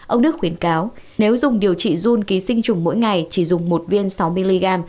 ông đức khuyến cáo nếu dùng điều trị zun ký sinh trùng mỗi ngày chỉ dùng một viên sáu mg